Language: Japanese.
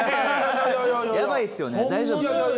やばいですよね大丈夫ですか？